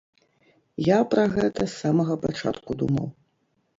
Я пра гэта з самага пачатку думаў.